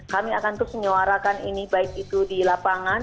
kami akan terus menyuarakan ini baik itu di lapangan